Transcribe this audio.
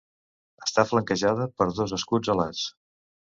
Està flanquejada per dos escuts alats.